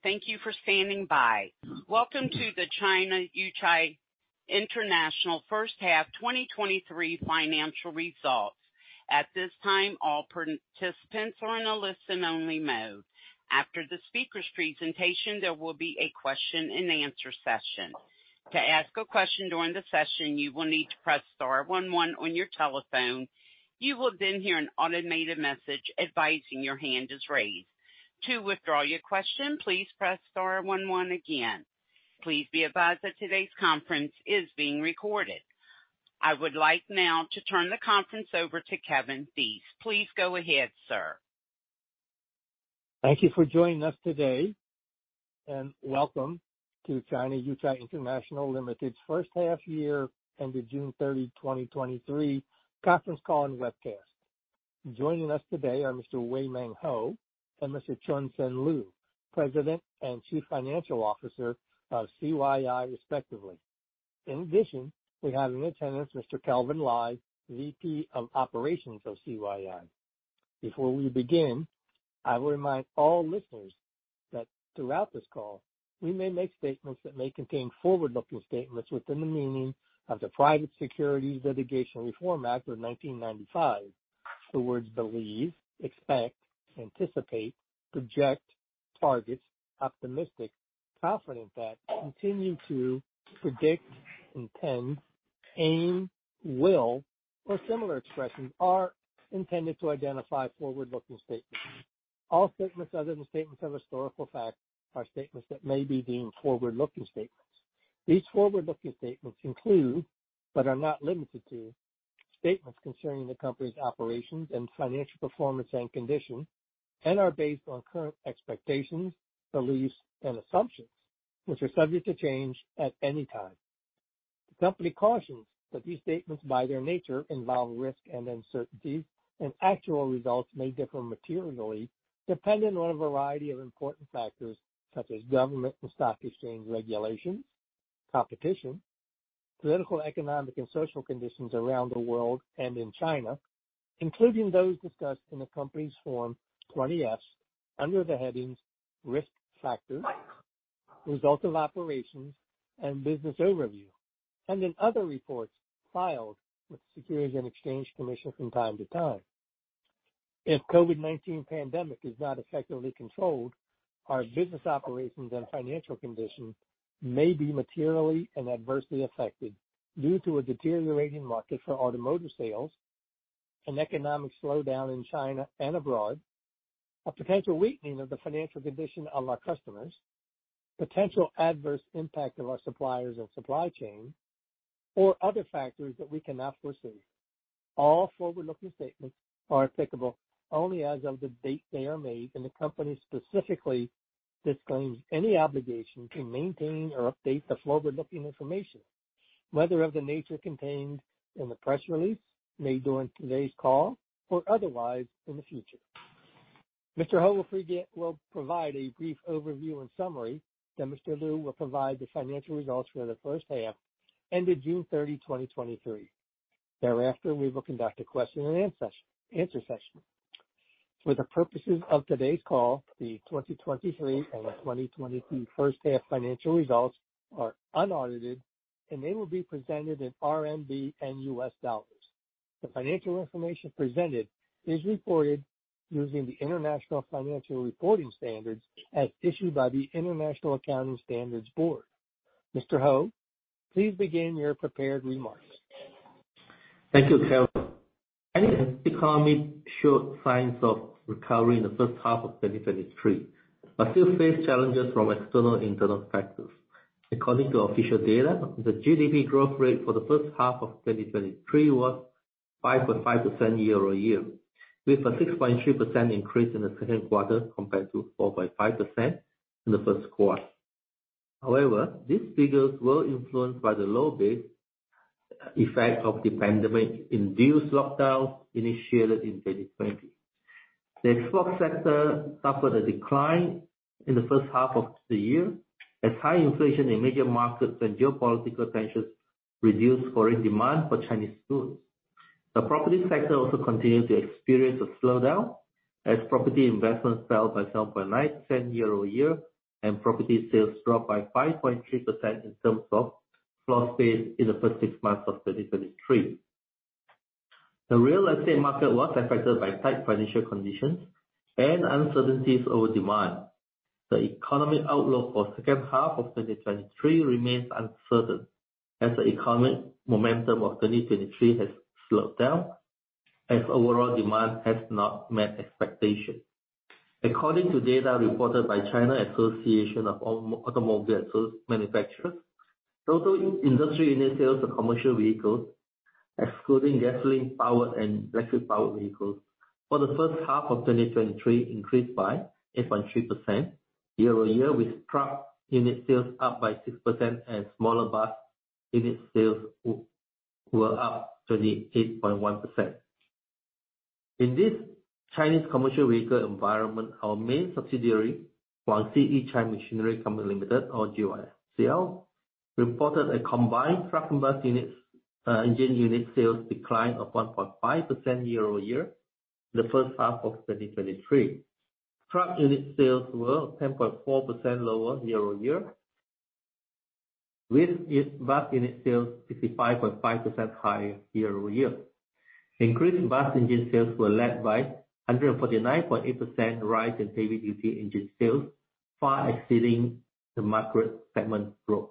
Thank you for standing by. Welcome to the China Yuchai International first half 2023 financial results. At this time, all participants are in a listen-only mode. After the speaker's presentation, there will be a question-and-answer session. To ask a question during the session, you will need to press star one one on your telephone. You will then hear an automated message advising your hand is raised. To withdraw your question, please press star one one again. Please be advised that today's conference is being recorded. I would like now to turn the conference over to Kevin Theiss. Please go ahead, sir. Thank you for joining us today, welcome to China Yuchai International Limited's first half year ended June 30, 2023 conference call and webcast. Joining us today are Mr. Weng Ming Hoh and Mr. Choon Sen Loo, President and Chief Financial Officer of CYI, respectively. In addition, we have in attendance Mr. Kelvin Lai, VP of Operations of CYI. Before we begin, I would remind all listeners that throughout this call, we may make statements that may contain forward-looking statements within the meaning of the Private Securities Litigation Reform Act of 1995. The words believe, expect, anticipate, project, target, optimistic, confident that, continue to, predict, intend, aim, will, or similar expressions are intended to identify forward-looking statements. All statements other than statements of historical fact are statements that may be deemed forward-looking statements. These forward-looking statements include, but are not limited to, statements concerning the company's operations and financial performance and condition, and are based on current expectations, beliefs, and assumptions, which are subject to change at any time. The company cautions that these statements, by their nature, involve risk and uncertainty, and actual results may differ materially depending on a variety of important factors, such as government and stock exchange regulations, competition, political, economic, and social conditions around the world and in China, including those discussed in the company's Form 20-F under the headings Risk Factors, Results of Operations, and Business Overview, and in other reports filed with the Securities and Exchange Commission from time to time. If COVID-19 pandemic is not effectively controlled, our business operations and financial conditions may be materially and adversely affected due to a deteriorating market for automotive sales, an economic slowdown in China and abroad, a potential weakening of the financial condition of our customers, potential adverse impact of our suppliers and supply chain, or other factors that we cannot foresee. All forward-looking statements are applicable only as of the date they are made, and the company specifically disclaims any obligation to maintain or update the forward-looking information, whether of the nature contained in the press release, made during today's call, or otherwise in the future. Mr. Hoh will provide a brief overview and summary, then Mr. Loo will provide the financial results for the first half, ended June 30, 2023. Thereafter, we will conduct a question-and-answer session. For the purposes of today's call, the 2023 and the 2022 first half financial results are unaudited, and they will be presented in RMB and U.S. dollars. The financial information presented is reported using the International Financial Reporting Standards as issued by the International Accounting Standards Board. Mr. Hoh, please begin your prepared remarks. Thank you, Kevin. Chinese economy showed signs of recovery in the first half of 2023, still face challenges from external, internal factors. According to official data, the GDP growth rate for the first half of 2023 was 5.5% year-over-year, with a 6.3% increase in the second quarter compared to 4.5% in the first quarter. These figures were influenced by the low base effect of the pandemic-induced lockdown initiated in 2020. The export sector suffered a decline in the first half of the year, as high inflation in major markets and geopolitical tensions reduced foreign demand for Chinese goods. The property sector also continued to experience a slowdown, as property investments fell by 7.9% year-over-year, and property sales dropped by 5.3% in terms of floor space in the first 6 months of 2023. The real estate market was affected by tight financial conditions and uncertainties over demand. The economic outlook for second half of 2023 remains uncertain, as the economic momentum of 2023 has slowed down, as overall demand has not met expectations. According to data reported by China Association of Automobile Manufacturers, total industry unit sales of commercial vehicles, excluding gasoline-powered and electric-powered vehicles, for the first half of 2023 increased by 8.3% year-over-year, with truck unit sales up by 6% and smaller bus unit sales were up 38.1%. In this Chinese commercial vehicle environment, our main subsidiary, Guangxi Yuchai Machinery Company Limited or GYCL reported a combined truck and bus units, engine unit sales decline of 1.5% year-over-year, the first half of 2023. Truck unit sales were 10.4% lower year-over-year, with its bus unit sales 55.5% higher year-over-year. Increased bus engine sales were led by 149.8% rise in heavy-duty engine sales, far exceeding the market segment growth.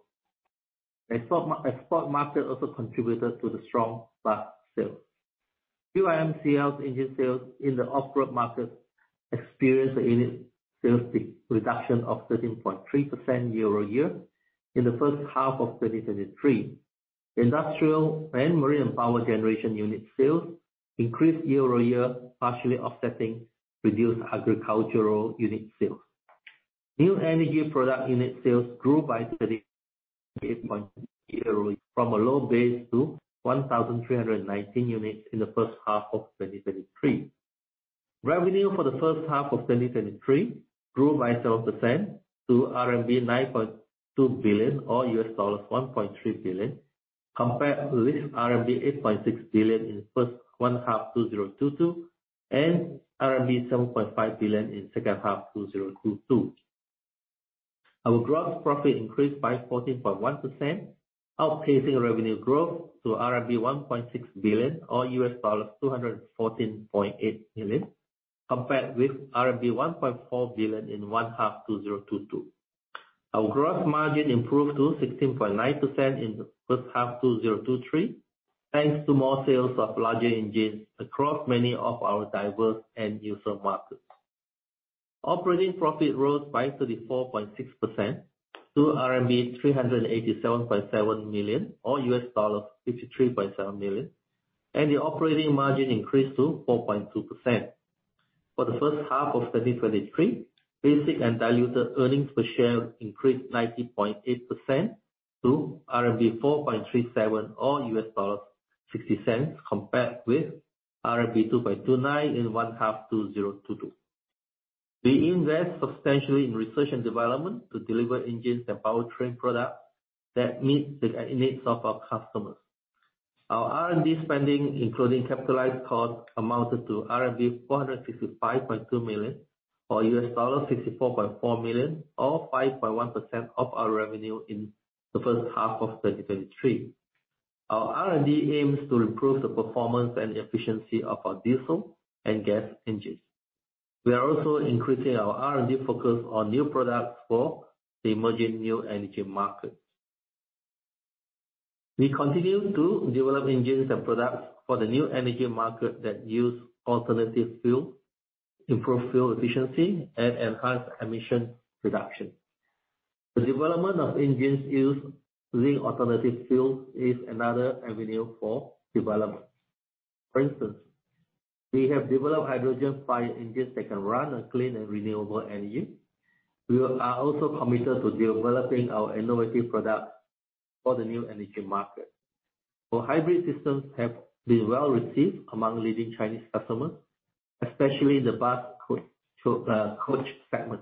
Export market also contributed to the strong bus sales. GYCL's engine sales in the off-road market experienced a unit sales reduction of 13.3% year-over-year in the first half of 2023. Industrial and marine power generation unit sales increased year-over-year, partially offsetting reduced agricultural unit sales. New energy product unit sales grew by 38.0% year-over-year from a low base to 1,319 units in the first half of 2023. Revenue for the first half of 2023 grew by 12% to RMB 9.2 billion, or $1.3 billion, compared with RMB 8.6 billion in first half, 2022, and RMB 7.5 billion in second half, 2022. Our gross profit increased by 14.1%, outpacing revenue growth to RMB 1.6 billion or $214.8 million, compared with RMB 1.4 billion in half, 2022. Our gross margin improved to 16.9% in the first half, 2023, thanks to more sales of larger engines across many of our diverse end user markets. Operating profit rose by 34.6% to RMB 387.7 million, or $53.7 million. The operating margin increased to 4.2%. For the first half of 2023, basic and diluted earnings per share increased 90.8% to RMB 4.37, or $0.60, compared with RMB 2.29 in one half, 2022. We invest substantially in research and development to deliver engines and powertrain products that meet the needs of our customers. Our R&D spending, including capitalized costs, amounted to RMB 455.2 million, or $64.4 million, or 5.1% of our revenue in the first half of 2023. Our R&D aims to improve the performance and efficiency of our diesel and gas engines. We are also increasing our R&D focus on new products for the emerging new energy markets. We continue to develop engines and products for the new energy market that use alternative fuel, improve fuel efficiency, and enhance emission reduction. The development of engines using alternative fuels is another avenue for development. For instance, we have developed hydrogen-fired engines that can run on clean and renewable energy. We are also committed to developing our innovative products for the new energy market. Our hybrid systems have been well received among leading Chinese customers, especially the bus coach segment.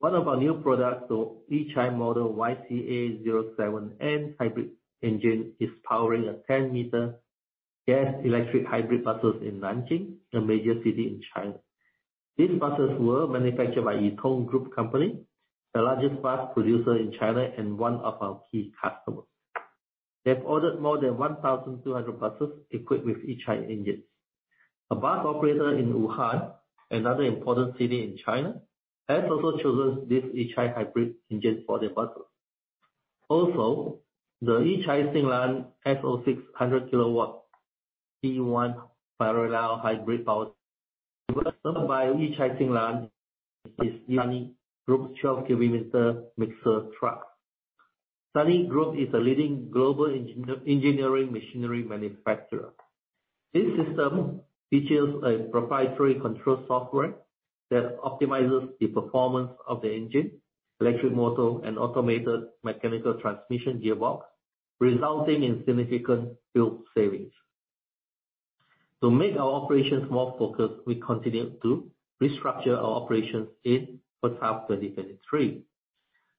One of our new products, the Yuchai model YCA07N hybrid engine, is powering a 10-meter gas electric hybrid buses in Nanjing, a major city in China. These buses were manufactured by Yutong Group Company, the largest bus producer in China and one of our key customers. They've ordered more than 1,200 buses equipped with Yuchai engines. A bus operator in Wuhan, another important city in China, has also chosen this Yuchai hybrid engine for their buses. Also, the Yuchai Xin-Lan S06-100kW P1 parallel hybrid power by Yuchai Xin-Lan is Sany Group's 12 cubic meter mixer truck. Sany Group is a leading global engineering machinery manufacturer. This system features a proprietary control software that optimizes the performance of the engine, electric motor, and automated mechanical transmission gearbox, resulting in significant fuel savings. To make our operations more focused, we continued to restructure our operations in the first half of 2023.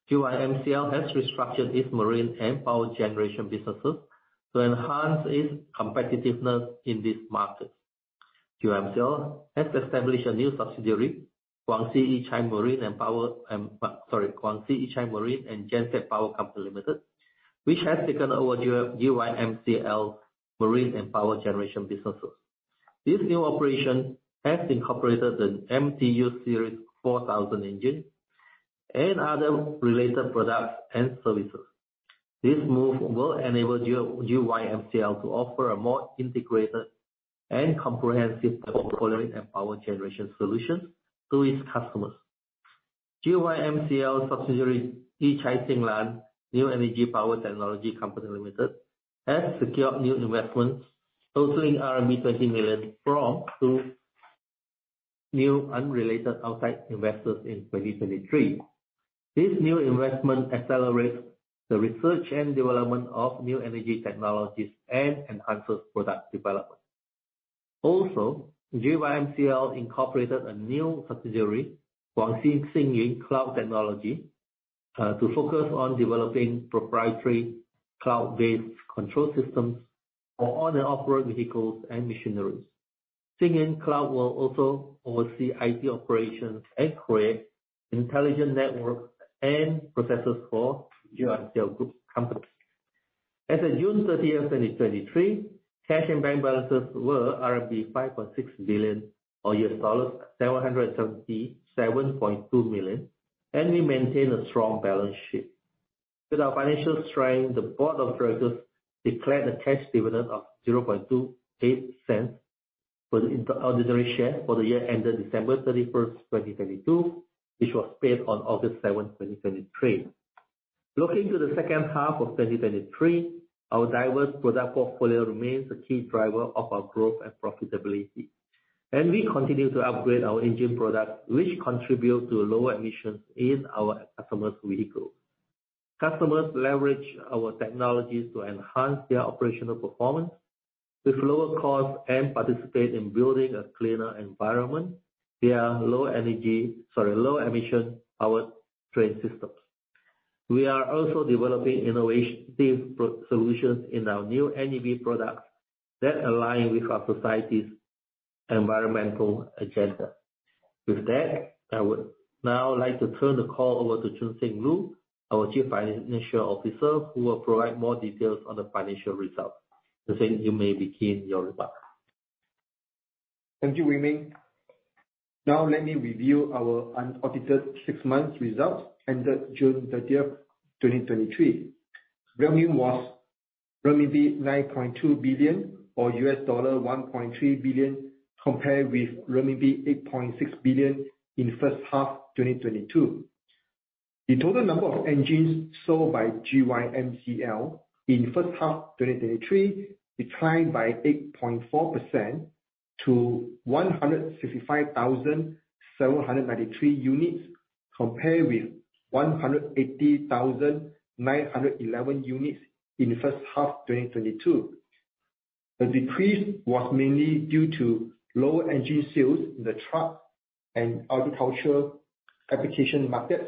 GYCL has restructured its marine and power generation businesses to enhance its competitiveness in these markets. GYCL has established a new subsidiary, Guangxi Yuchai Marine and Genset Power Co., Ltd., which has taken over GYCL marine and power generation businesses. This new operation has incorporated an MTU Series 4000 engine and other related products and services. This move will enable GYCL to offer a more integrated and comprehensive portfolio and power generation solution to its customers. GYCL subsidiary, Yuchai Xin-Lan New Energy Power Technology Co., Ltd., has secured new investments totaling RMB 20 million from two new unrelated outside investors in 2023. This new investment accelerates the research and development of new energy technologies and enhances product development. GYCL incorporated a new subsidiary, Guangxi Fanzhidu Information Technology Co., Ltd., to focus on developing proprietary cloud-based control systems for on-and-off road vehicles and machineries. Fanzhidu will also oversee IT operations and create intelligent networks and processes for GYCL group companies. As of June thirtieth, 2023, cash and bank balances were RMB 5.6 billion, or $777.2 million, we maintain a strong balance sheet. With our financial strength, the board of directors declared a cash dividend of $0.0028 for the ordinary share for the year ended December 31st, 2022, which was paid on August 7th, 2023. Looking to the second half of 2023, our diverse product portfolio remains a key driver of our growth and profitability. We continue to upgrade our engine products, which contribute to lower emissions in our customers' vehicles. Customers leverage our technologies to enhance their operational performance with lower costs, and participate in building a cleaner environment, via low energy- sorry, low-emission powertrain systems. We are also developing innovative product solutions in our new NEV products that align with our society's environmental agenda. With that, I would now like to turn the call over to Chun Seng Loo, our chief financial officer, who will provide more details on the financial results. Chun Seng, you may begin your remarks. Thank you, Weng Ming. Now let me review our unaudited 6 months results ended June 30th, 2023. Revenue was renminbi 9.2 billion, or $1.3 billion, compared with renminbi 8.6 billion in first half, 2022. The total number of engines sold by GYCL in first half, 2023, declined by 8.4% to 155,793 units, compared with 180,911 units in the first half, 2022. The decrease was mainly due to low engine sales in the truck and agricultural application markets,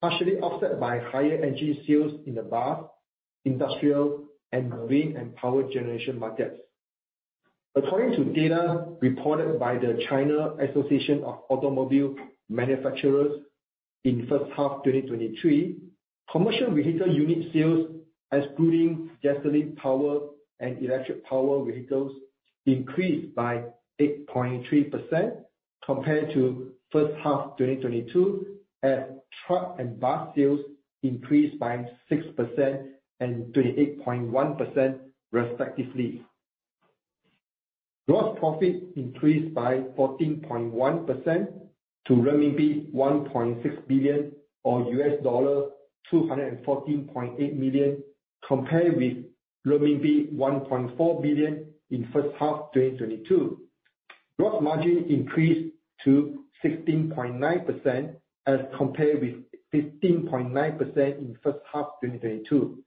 partially offset by higher engine sales in the bus, industrial, and marine, and power generation markets. According to data reported by the China Association of Automobile Manufacturers in first half 2023, commercial vehicle unit sales, excluding gasoline, power, and electric power vehicles, increased by 8.3% compared to first half 2022, as truck and bus sales increased by 6% and 28.1% respectively. Gross profit increased by 14.1% to RMB 1.6 billion, or $214.8 million, compared with renminbi 1.4 billion in first half 2022. Gross margin increased to 16.9% as compared with 15.9% in first half 2022.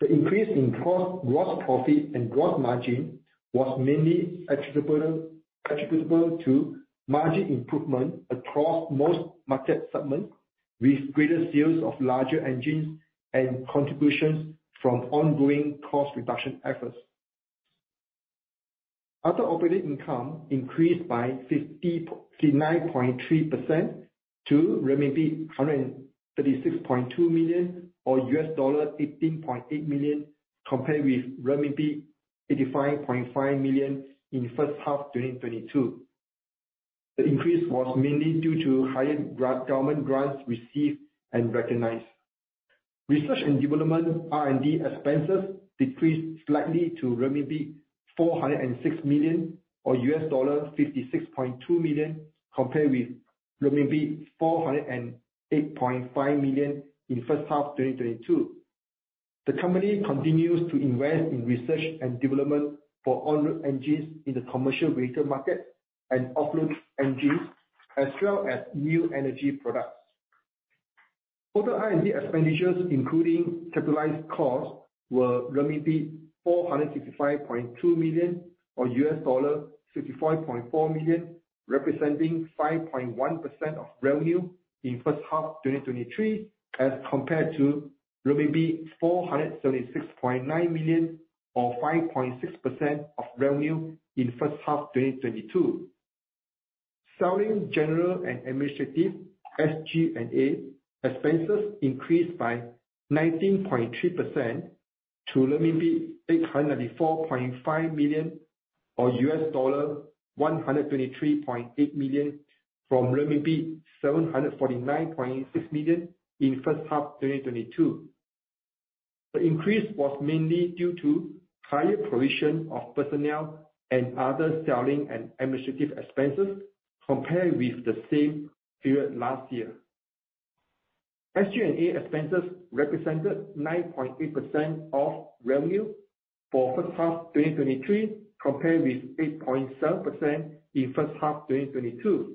The increase in gross, gross profit and gross margin was mainly attributable, attributable to margin improvement across most market segments, with greater sales of larger engines and contributions from ongoing cost reduction efforts. Other operating income increased by 59.3% to renminbi 136.2 million, or $18.8 million, compared with renminbi 85.5 million in first half 2022. The increase was mainly due to higher government grants received and recognized. Research and development, R&D expenses decreased slightly to 406 million, or $56.2 million, compared with 408.5 million in first half 2022. The company continues to invest in research and development for on-road engines in the commercial vehicle market and off-road engines, as well as new energy products. Total R&D expenditures, including capitalized costs, were 465.2 million, or $55.4 million, representing 5.1% of revenue in first half, 2023, as compared to RMB 436.9 million, or 5.6% of revenue in first half, 2022. Selling general and administrative, SG&A, expenses increased by 19.3% to 894.5 million, or $123.8 million, from renminbi 749.6 million in first half, 2022. The increase was mainly due to higher provision of personnel and other selling and administrative expenses, compared with the same period last year. SG&A expenses represented 9.8% of revenue for first half, 2023, compared with 8.7% in first half, 2022....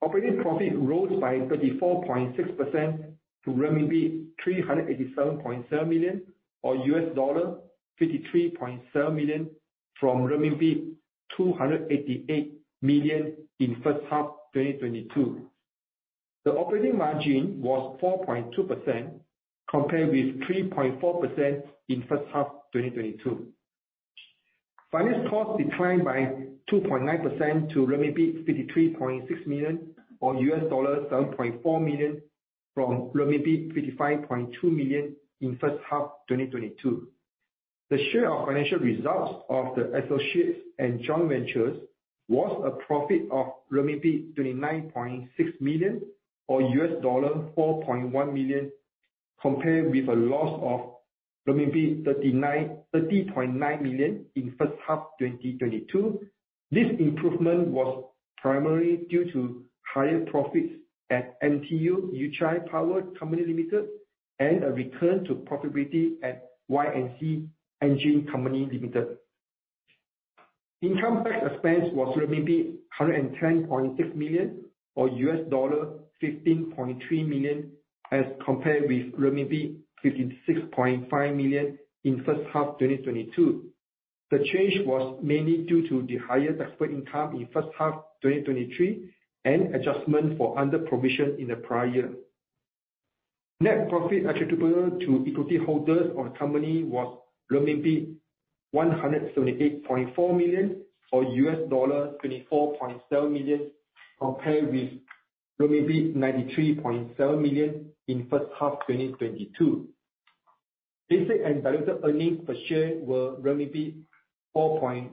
Operating profit rose by 34.6% to renminbi 387.7 million, or $53.7 million, from renminbi 288 million in first half 2022. The operating margin was 4.2%, compared with 3.4% in first half 2022. Finance cost declined by 2.9% to 53.6 million, or $7.4 million, from 55.2 million in first half 2022. The share of financial results of the associates and joint ventures was a profit of 29.6 million, or $4.1 million, compared with a loss of 30.9 million in first half 2022. This improvement was primarily due to higher profits at MTU Yuchai Power Co., Ltd., and a return to profitability at Y&C Engine Co., Ltd. Income tax expense was 110.6 million, or $15.3 million, as compared with 56.5 million in first half, 2022. The change was mainly due to the higher tax rate income in first half, 2023, and adjustment for under-provision in the prior year. Net profit attributable to equity holders of the company was 178.4 million, or $24.7 million, compared with 93.7 million in first half, 2022. Basic and diluted earnings per share were 4.37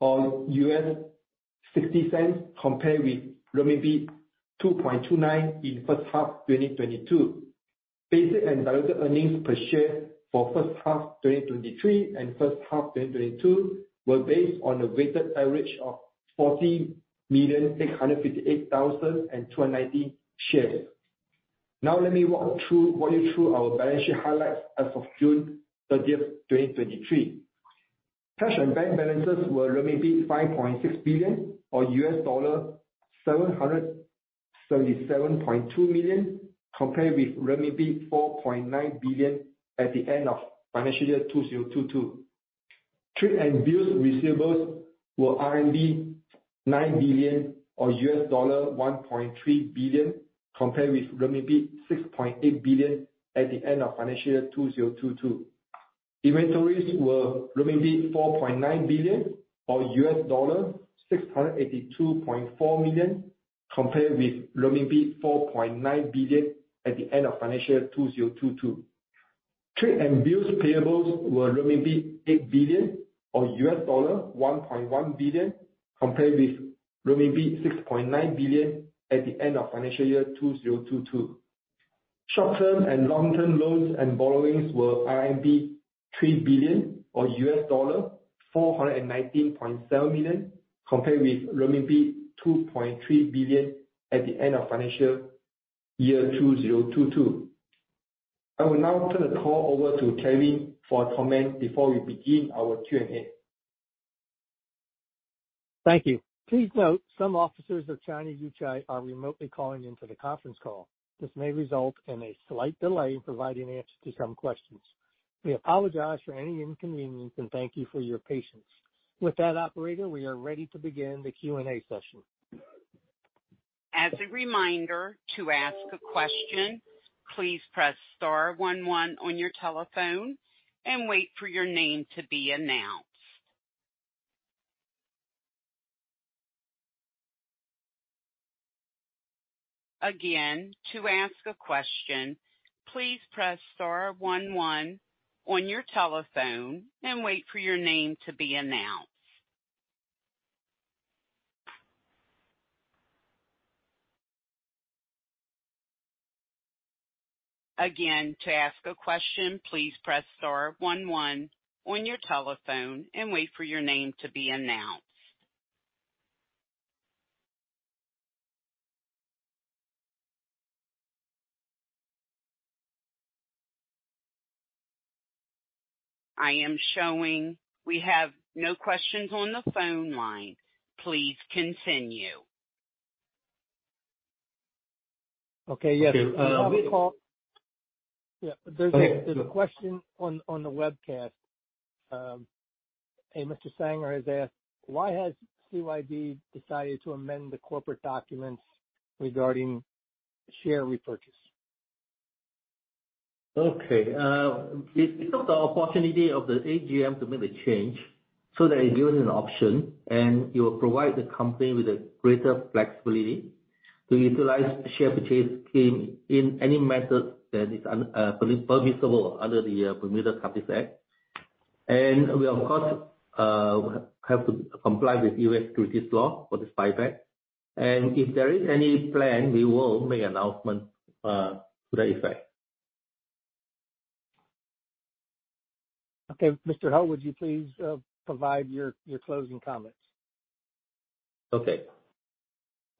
or $0.60, compared with 2.29 in first half, 2022. Basic and diluted earnings per share for first half, 2023, and first half, 2022, were based on a weighted average of 40,658,290 shares. let me walk you through our balance sheet highlights as of June 30, 2023. Cash and bank balances were 5.6 billion, or $777.2 million, compared with RMB 4.9 billion at the end of financial year 2022. Trade and bills receivables were RMB 9 billion, or $1.3 billion, compared with RMB 6.8 billion at the end of financial year 2022. Inventories were RMB 4.9 billion, or $682.4 million, compared with RMB 4.9 billion at the end of financial year 2022. Trade and bills payables were 8 billion, or $1.1 billion, compared with 6.9 billion at the end of financial year 2022. Short-term and long-term loans and borrowings were RMB 3 billion, or $419.7 million, compared with RMB 2.3 billion at the end of financial year 2022. I will now turn the call over to Kevin for a comment before we begin our Q&A. Thank you. Please note, some officers of China Yuchai are remotely calling into the conference call. This may result in a slight delay in providing answers to some questions. We apologize for any inconvenience, and thank you for your patience. With that, operator, we are ready to begin the Q&A session. As a reminder, to ask a question, please press star one one on your telephone and wait for your name to be announced. Again, to ask a question, please press star one one on your telephone and wait for your name to be announced. Again, to ask a question, please press star one one on your telephone and wait for your name to be announced. I am showing we have no questions on the phone line. Please continue. Okay, yes. Okay, Paul. Yeah, there's a, there's a question on, on the webcast. A Mr. Sanger has asked: "Why has CYI decided to amend the corporate documents regarding share repurchase? Okay, we took the opportunity of the AGM to make the change so that it gives us an option. It will provide the company with a greater flexibility to utilize share purchase scheme in any method that is permissible under the Bermuda Companies Act. We, of course, have to comply with U.S. securities law for the SPAC. If there is any plan, we will make announcement to that effect. Okay, Mr. Hoh, would you please provide your, your closing comments? Okay.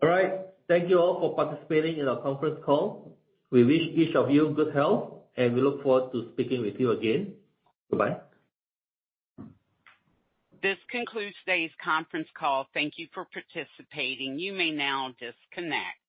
All right. Thank you all for participating in our conference call. We wish each of you good health, and we look forward to speaking with you again. Bye-bye. This concludes today's conference call. Thank you for participating. You may now disconnect.